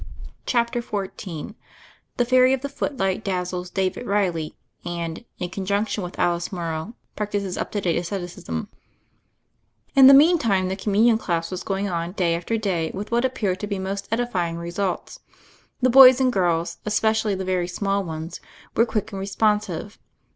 CHAPTER XIV THE FAIRY OF THE FOOTLIGHTS DAZZLES DAVID REILLY, AND, IN CONJUNCTION WITH ALICE MdRROW, PRACTISES UP TO DATE ASCETICISM IN THE meantime the Communion class was going on day after day with what appeared to be most edifying results. The boys and girls, especially the very small ones, were quick and responsive.